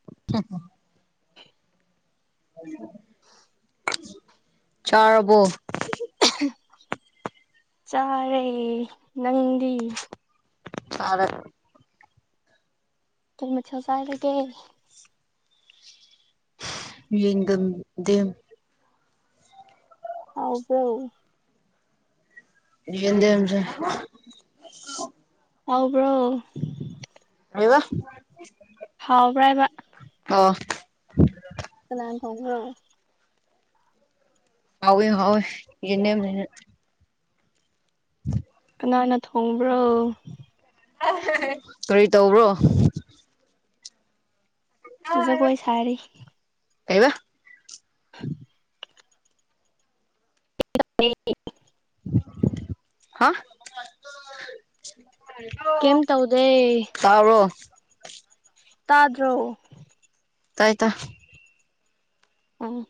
ꯍ [unintelligible] ꯆꯔꯕꯣ ꯆꯥꯔꯦ ꯅꯪꯗꯤ ꯐꯔꯦ ꯀꯩ ꯃꯊꯦꯜ ꯆꯥꯔꯒꯦ ꯌꯦꯡꯒꯝꯗꯦꯝ ꯍꯧ ꯄꯔꯣ ꯌꯦꯗꯦꯝꯁꯦ ꯍꯥꯎꯕ꯭ꯔꯣ ꯀꯩꯕ ꯍꯥꯎꯕ꯭ꯔꯕꯥ ꯑ‌ꯣ ꯀꯅꯥꯟ ꯊ‌ꯣꯡꯕ꯭ꯔꯣ ꯍꯥꯎꯋꯦ ꯍꯥꯎꯋ‌ꯦ ꯌ‌ꯦꯟꯗ‌ꯦꯝꯅ [inaudible] ꯀꯅꯥꯅ ꯊꯣꯡꯕ꯭ꯔꯣ ꯀꯔꯤ ꯇꯧꯕ꯭ꯔꯣ ꯖꯒꯣꯏ ꯁꯥꯔꯤ ꯀꯩꯕ [unintelligible] [unintelligible] ꯍꯥ ꯀꯦꯝ ꯇꯧꯗꯦ ꯇꯥꯕꯔ‌ꯣ ꯇꯥꯗ꯭ꯔꯣ ꯇꯥꯏ ꯇꯥꯏ ꯎꯝ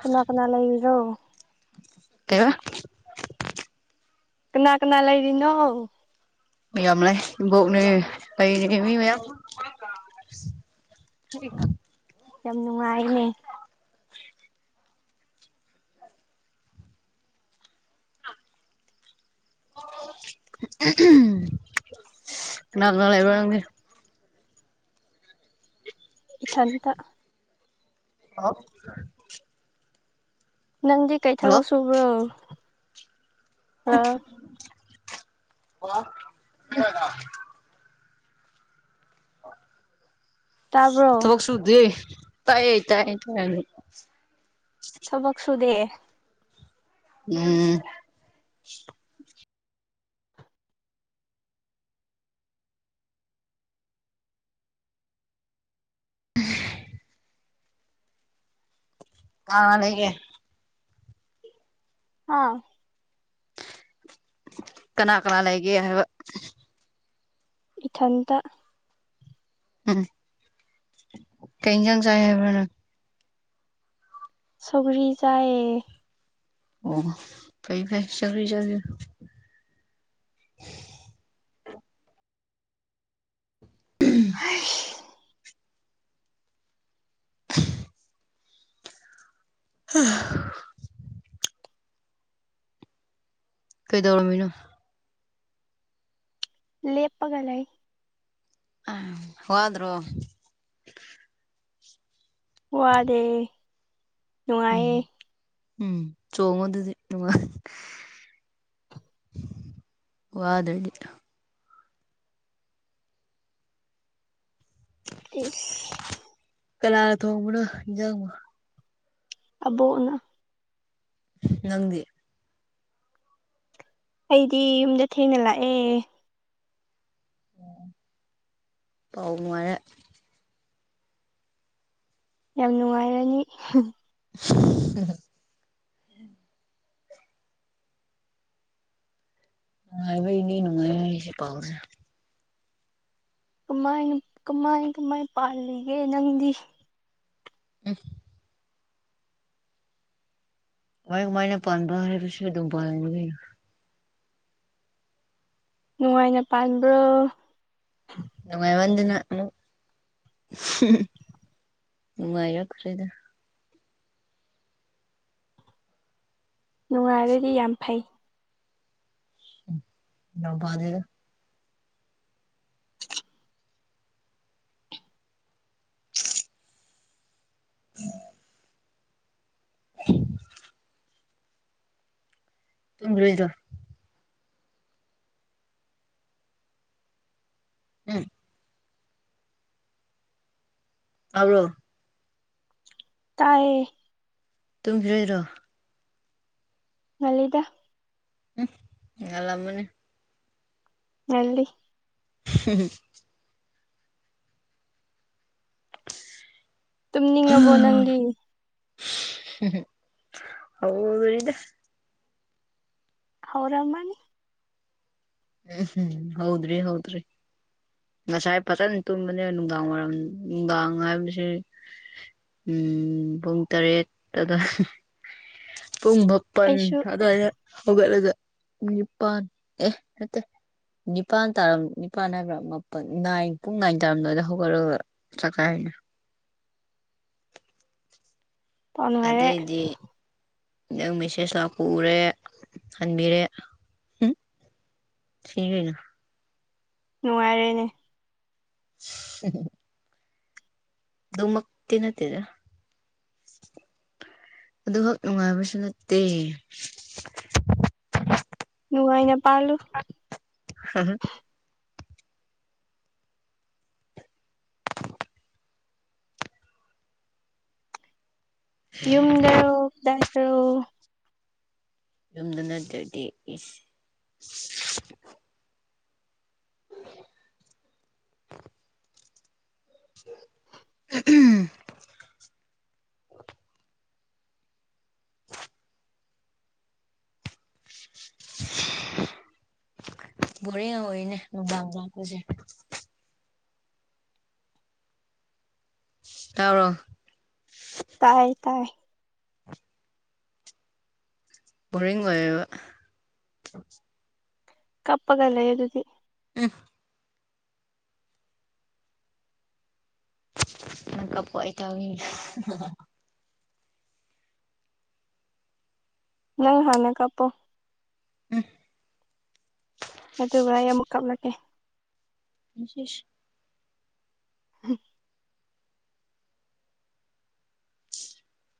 ꯀꯅꯥ ꯀꯅꯥ ꯂꯩꯔꯤꯔꯣ ꯀꯩꯕ ꯀꯅꯥ ꯀꯅꯥ ꯂꯩꯔꯤꯅꯣ ꯃꯌꯥꯝ ꯂꯩ ꯏꯕ‌ꯣꯛꯅ‌ꯦ ꯂꯩꯔꯤ ꯃꯤ ꯃꯌꯥꯝ [unintelligible] ꯌꯥꯝ ꯅꯨꯡꯉꯥꯏꯅꯦ ꯀꯅꯥ ꯀꯅꯥ ꯂꯩꯕ꯭ꯔꯥ ꯅꯪꯗꯤ ꯏꯊꯟꯇ [unintelligible] ꯅꯪꯗꯤ ꯀꯩ ꯍꯜꯂꯣ ꯊꯕꯛ ꯁꯨꯕ꯭ꯔꯣ ꯍꯜꯂꯣ [unintelligible] ꯇꯥꯕ꯭ꯔꯣ ꯊꯕꯛ ꯁꯨꯗꯦ ꯇꯥꯏꯌꯦ ꯇꯥꯏ ꯇꯥꯏꯅ‌ꯦ ꯊꯕꯛꯁꯨꯨꯗꯦ ꯎꯝ [unintelligible] ꯀꯅꯥ ꯀꯅꯥ ꯂꯩꯒ‌ꯦ ꯍꯥꯥ ꯀꯅꯥ ꯀꯅꯥ ꯂꯩꯒ‌ꯦ ꯍꯥꯏꯕ ꯏꯊꯟꯇ ꯎꯝ ꯀꯩ ꯌꯦꯟꯁꯥꯡ ꯆꯥꯏ ꯍꯥꯏꯕ꯭ꯔ ꯅꯪ ꯁꯧꯒ꯭ꯔꯤ ꯆꯥꯏꯌꯦ ꯑꯣ ꯐꯩ ꯐꯩ ꯁꯧꯒ꯭ꯔꯤ ꯆꯥꯕꯤꯌꯨ [unintelligible] [unintelligible] ꯀꯩꯗꯧꯔꯝꯃꯤꯅꯣ ꯂꯦꯞꯄꯒ ꯂꯩꯏ ꯋꯥꯗ꯭ꯔꯣ ꯋꯥꯗꯦ ꯅꯨꯡꯉꯥꯏꯌꯦ ꯎꯝ ꯎꯝ ꯆꯣꯡꯉꯗꯨꯗꯤ ꯋꯥꯗꯗꯤ ꯏꯁ ꯀꯟꯅꯥꯅ ꯊꯣꯡꯕꯅꯣ ꯏꯖꯥꯡꯕ ꯑꯕꯣꯛ ꯅ ꯅꯪꯗꯤ ꯑꯩꯗꯤ ꯌꯨꯝꯗ ꯊꯦꯡꯅ ꯂꯥꯛꯑꯦ ꯄꯥꯎ ꯅꯨꯉꯥꯏꯔꯦ ꯌꯥꯝ ꯅꯨꯡꯉꯥꯏꯔꯅꯤ ꯍꯝ ꯍꯝ ꯅꯨꯡꯉꯥꯏꯕꯩ ꯅꯤ ꯅꯨꯡꯉꯥꯏ ꯍꯥꯏꯁꯦ ꯄꯥꯎꯁꯦ ꯀꯃꯥꯏꯅ ꯀꯃꯥꯏ ꯀꯃꯥꯏ ꯄꯥꯜꯂꯤꯒꯦ ꯅꯪꯗꯤ ꯑꯝ ꯃꯥꯏ ꯃꯥꯏꯅ ꯄꯥꯟꯕ ꯍꯥꯏꯕꯁꯦ ꯑꯗꯨꯝ ꯄꯥꯏꯅꯤ ꯅꯨꯡꯉꯥꯏꯅ ꯄꯥꯟꯕ꯭ꯔꯣ ꯅꯨꯡꯉꯥꯏ ꯃꯟꯗꯅ ꯑꯃꯨ ꯍꯝꯑꯝ ꯅꯨꯡꯉꯥꯏꯔꯛꯈ꯭ꯔꯦꯗ ꯅꯨꯡꯉꯥꯏꯔꯗꯤ ꯌꯥꯝ ꯐꯩ ꯅꯥꯎꯄꯗꯦ [unintelligible] [inaudible] ꯇꯨꯝꯒꯤꯔꯣꯏꯗ ꯎꯝ ꯇꯥꯕ꯭ꯔꯣ ꯇꯥꯏꯌꯦ ꯇꯨꯝꯈꯤꯔꯣꯏꯗꯣ ꯉꯜꯂꯤꯗ ꯎꯝ ꯉꯂꯝꯃꯅꯤ ꯉꯜꯂꯤ ꯍꯝꯍꯝ ꯇꯨꯝꯅꯤꯡꯉꯕꯣ ꯅꯪꯗꯤ ꯍꯧꯔꯦꯗ ꯍꯧꯔꯝꯃꯅꯤ ꯎꯝ ꯍꯝ ꯍꯧꯗ꯭ꯔꯤ ꯍꯧꯗ꯭ꯔꯤ ꯉꯁꯥꯏ ꯐꯖꯅ ꯇꯨꯝꯕꯅꯦ ꯅꯨꯡꯗꯥꯡ ꯋꯥꯏꯔꯝ ꯅꯨꯡꯗꯥꯡ ꯍꯥꯏꯕꯁꯦ ꯎꯝ ꯄꯨꯡ ꯇꯔꯦꯠ ꯑꯗ ꯄꯨꯡ ꯕꯛ ꯄꯟ ꯑꯩꯁꯨ ꯑꯗꯨꯋꯥꯏꯗ ꯍꯧꯒꯠꯂꯒ ꯅꯤꯄꯥꯟ ꯑꯦ ꯅꯠꯇꯦ ꯅꯤꯄꯥꯟ ꯇꯥꯔꯝ ꯅꯤꯄꯥꯟ ꯍꯥꯏꯕ꯭ꯔ ꯃꯞ ꯄ ꯅꯥꯏꯟ ꯄꯨꯡ ꯅꯥꯏꯟ ꯇꯥꯔꯝꯗꯥꯏꯗ ꯍꯧꯒꯠꯂꯒ ꯆꯥꯛꯆꯥꯏ ꯄꯥꯎ ꯅꯨꯡꯉꯥꯏꯔꯦ ꯑꯗꯩꯗꯤ ꯪ ꯅꯪ ꯃꯦꯁꯦꯁ ꯂꯥꯛꯄ ꯎꯔꯦ ꯍꯟꯕꯤꯔꯦ ꯍꯝ ꯁꯤꯒ꯭ꯔꯦꯒ ꯅꯨꯡꯉꯥꯏꯔꯦꯅꯦ [inaudible] ꯗꯨꯃꯛꯇꯤ ꯅꯠꯇꯦꯗ ꯑꯗꯨꯈꯛ ꯅꯨꯡꯉꯥꯏꯕꯁꯨ ꯅꯠꯇꯦ ꯅꯨꯡꯉꯥꯏꯅ ꯄꯥꯜꯂꯨ ꯍꯝꯍꯝ ꯌꯨꯝꯗꯔꯣ ꯀꯗꯥꯏꯗꯔꯣ ꯌꯨꯝꯗ ꯅꯠꯇ꯭ꯔꯗꯤ ꯏꯁ [inaudible] [inaudible] ꯕꯣꯔꯤꯡ ꯑꯣꯏꯅꯦ ꯅꯨꯡꯗꯥꯡ ꯂꯥꯛꯄꯖꯦ ꯇꯥꯕ꯭ꯔꯣ ꯇꯥꯏ ꯇꯥꯏ ꯕꯣꯔꯤꯡ ꯑꯣꯏꯌꯦꯕ ꯀꯞꯄꯒ ꯂꯩ ꯑꯗꯨꯗꯤ [inaudible] ꯅꯡ ꯀꯞꯄꯣ ꯑꯩ [unintelligible] ꯅꯪ ꯍꯥꯟꯅ ꯀꯞꯄꯣ ꯎꯝ ꯑꯗꯨꯒ ꯑꯩ ꯑꯃꯨꯛ ꯀꯞꯂꯛꯀꯦ [unintelligible] [inaudible]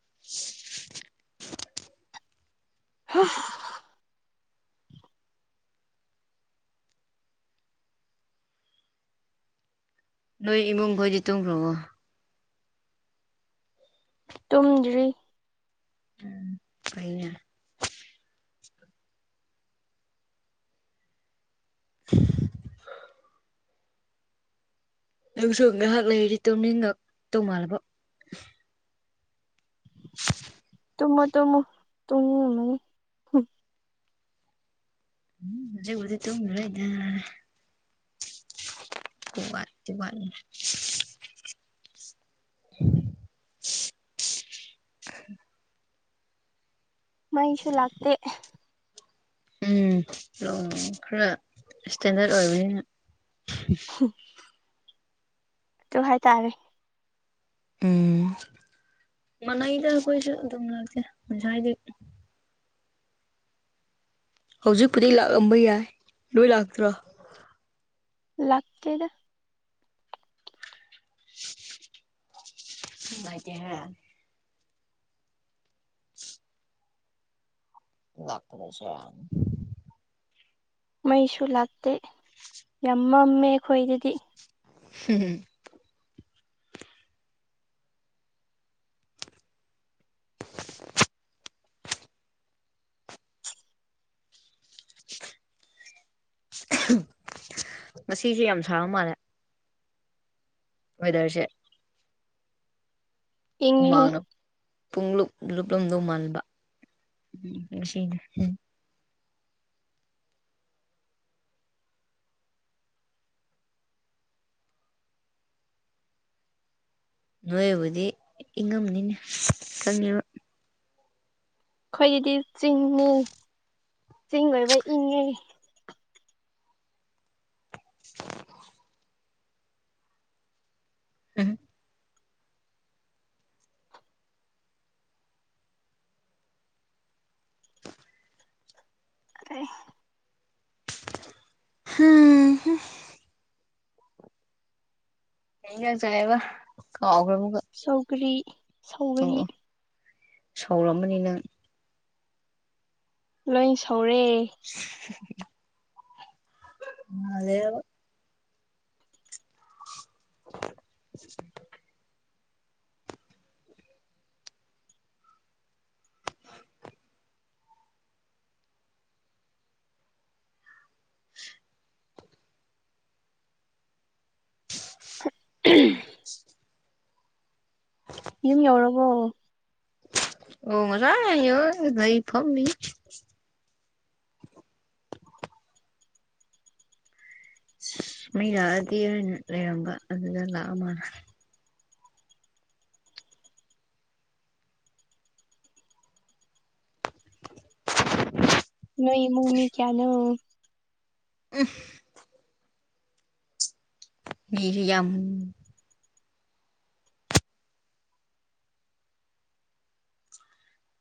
[inaudible] ꯍꯥ ꯅꯣꯏ ꯏꯃꯨꯡꯈꯣꯏꯗꯤ ꯇꯨꯝꯈꯔ꯭ꯕꯣ ꯇꯨꯝꯗ꯭ꯔꯤ ꯎꯝ ꯐꯩꯅꯦ [inaudible] ꯑꯩꯕꯨꯁꯨ ꯉꯥꯍꯥꯛ ꯂꯩꯔꯗꯤ ꯇꯨꯃꯤꯡ ꯉꯛ ꯇꯧ ꯃꯥꯜꯂꯕ ꯇꯝꯃꯣ ꯇꯝꯃꯣ ꯇꯨꯝꯒꯅꯨ ꯎꯝ ꯑꯩꯕꯨꯗꯤ ꯇꯨꯝꯔꯔꯣꯏꯗꯥ ꯋ [unintelligible] ꯋꯥꯅꯤ ꯃꯩꯁꯨ ꯂꯥꯛꯇꯦ ꯎꯝ ꯈꯔ ꯁꯇꯦꯟꯗꯔꯠ ꯑꯣꯏꯕꯅꯤꯅ ꯗꯨ ꯍꯥꯏꯇꯥꯔꯦ ꯎꯝ ꯃꯅꯩꯗ ꯑꯩꯈꯣꯏꯁꯨ ꯑꯗꯨꯝ ꯂꯥꯛꯇꯦ ꯉꯁꯥꯏꯗꯤ ꯍꯧꯖꯤꯛꯄꯨꯗꯤ ꯂꯥꯛꯑꯝꯕ ꯌꯥꯏ ꯂꯣꯏ ꯂꯥꯛꯇ꯭ꯔꯣ ꯂꯥꯛꯇꯗ ꯅꯨꯡꯉꯏꯇꯦꯍꯦ ꯂꯥꯛꯇꯕꯁꯦ ꯃꯩꯁꯨ ꯂꯥꯛꯇꯦ ꯌꯥꯝ ꯃꯝꯃꯦ ꯈꯣꯏꯗꯗꯤ [inaudible] ꯉꯁꯤꯖꯨ ꯌꯥꯝ ꯁꯥꯕ ꯃꯥꯜꯂꯦ ꯋꯦꯗꯔꯁꯦ ꯏꯪꯉꯤꯍꯦ ꯍꯨꯃꯥꯡꯅ ꯄꯨꯡꯂꯨꯞ ꯂꯨꯞꯂꯝꯗꯧ ꯃꯥꯥꯟꯕ ꯎ ꯅꯨꯁꯤꯅꯦ ꯍꯦ ꯅꯣꯏꯕꯨꯗꯤ ꯏꯪꯉꯝꯅꯤꯅꯦ ꯈꯪꯉꯦꯕ ꯑꯩꯈꯣꯏꯒꯤꯗꯤ ꯆꯤꯡꯅꯦ ꯆꯤꯡ ꯑꯣꯏꯕꯩ ꯏꯪꯉꯦ [inaudible] ꯑꯍꯥ ꯑꯩꯍ ꯀꯩꯌꯦꯟꯖꯥꯡ ꯆꯥꯏꯌꯦꯕ ꯀꯥꯎꯈ꯭ꯔꯦ ꯑꯃꯨꯛꯀ ꯁꯧꯒ꯭ꯔꯤ ꯑꯣ ꯁꯧꯒꯔꯤ ꯑꯣ ꯁꯥꯎꯔꯝꯃꯅꯤ ꯅꯪ ꯂꯩ ꯁꯧꯔꯦ [unintelligible] ꯃꯥꯜꯂꯦꯕ [inaudible] [unintelligible] ꯌꯨꯝ ꯌꯧꯔꯕꯣ ꯑꯣ ꯉꯁꯥꯏꯅ ꯌꯧꯔꯒ ꯂꯩ ꯐꯝꯃꯤ ꯑꯁ ꯃꯤ ꯂꯥꯛꯑꯗꯤ ꯍꯥꯏꯅ ꯂꯩꯔꯝꯕ ꯑꯗꯨꯒ ꯂꯥꯛꯑ ꯃꯥꯜꯂꯦ [inaudible] ꯅꯣꯏ ꯏꯃꯨꯡ ꯃꯤ ꯀꯌꯥꯅꯣ [unintelligible] ꯃꯤꯖꯦ ꯌꯥꯝ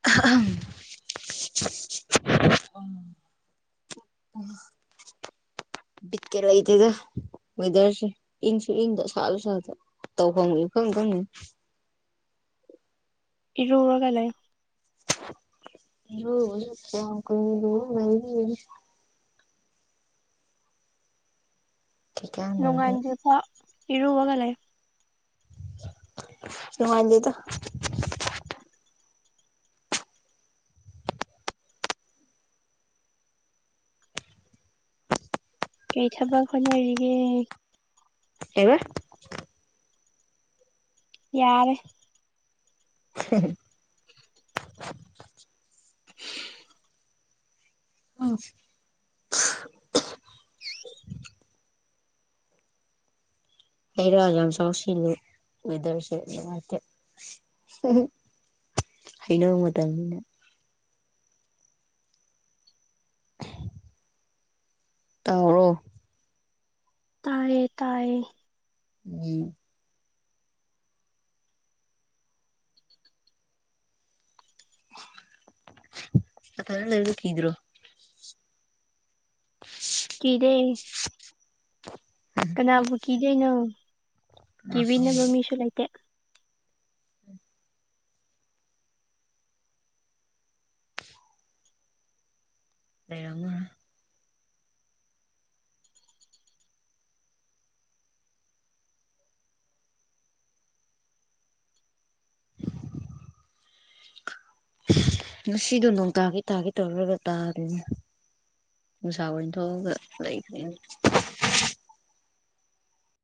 [unintelligible] ꯑꯣ ꯕꯤꯠꯀ ꯂꯩꯇꯦꯗ ꯋꯦꯗꯔꯁꯦ ꯏꯪꯁꯨ ꯏꯪꯗꯦ ꯁꯥꯁꯨ ꯁꯥꯗꯥ ꯇꯧꯐꯝꯒ ꯏꯈꯪ ꯈꯪꯗꯦ ꯏꯔꯨꯔꯒ ꯂꯩ ꯏꯔꯨꯕꯖꯨ ꯀꯌꯥꯝ ꯀꯨꯏꯅ ꯂꯨꯔ ꯂꯩꯅꯦꯒꯦ ꯀꯩꯀꯥꯟꯅꯕꯗ ꯅꯣꯡꯉꯥꯟꯗ꯭ꯔꯤꯐꯥꯎ ꯏꯔꯨꯋꯒ ꯂꯩ ꯅꯨꯡꯉꯥꯟꯗꯦꯗ ꯀꯩ ꯊꯕꯛ ꯍꯣꯠꯅꯔꯤꯒꯦ ꯑꯦꯕ ꯌꯥꯔꯦ [unintelligible] [unintelligible] ꯎꯝ ꯍꯩ ꯔꯥ ꯌꯥꯝ ꯆꯥꯎꯁꯤꯜꯂꯨ ꯋꯦꯗꯔꯁꯦ ꯅꯨꯡꯉꯥꯏꯇꯦ ꯍꯩꯅꯧ ꯃꯇꯝꯅꯤꯅ [unintelligible] ꯇꯥꯎꯔꯣ ꯇꯥꯏꯌꯦ ꯇꯥꯏꯌꯦ ꯎꯝ ꯅꯊꯜ ꯂꯩꯕꯗꯣ ꯀꯤꯗ꯭ꯔꯣ [unintelligible] ꯀꯤꯗꯦ ꯀꯅꯥꯕꯨ ꯀꯤꯗꯣꯏꯅꯣ ꯀꯅꯥ ꯈꯪ ꯀꯤꯕꯤꯅꯕ ꯃꯤꯁꯨ ꯂꯩꯇꯦ ꯂꯩꯔꯝꯃꯨꯔꯥ [inaudible] ꯉꯁꯤꯗꯣ ꯅꯣꯡ ꯇꯥꯒꯦ ꯇꯥꯒꯦ ꯇꯧꯔꯒ ꯇꯥꯗꯦꯅꯦ ꯅꯨꯡꯁꯥ ꯑꯣꯏ ꯊꯣꯛꯑꯒ ꯂꯩꯈ꯭ꯔꯦꯅꯦ